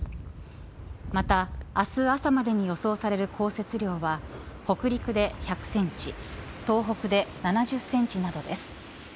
また明日朝までの予想される降雪量は北陸で１００センチ東北で７０センチなどです。